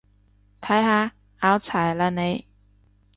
睇下，拗柴喇你